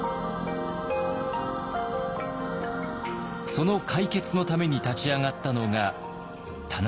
その解決のために立ち上がったのが田中正造です。